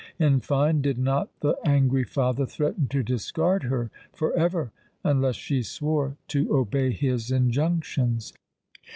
In fine—did not the angry father threaten to discard her for ever, unless she swore to obey his injunctions?